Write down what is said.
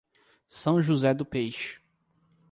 São José do Peixe